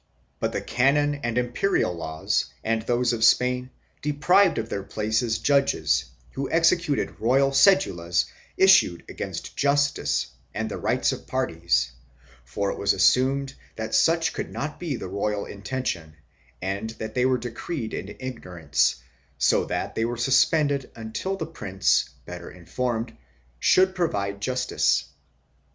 But the canon and imperial laws and those of Spain deprived of their places judges, who executed royal cedulas issued against justice and the rights of parties, for it was assumed that such could not be the royal intention and that they were decreed in ignorance, so that they were suspended until the prince, better informed, should provide justice.